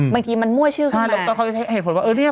บางทีมันมั่วชื่อขึ้นมา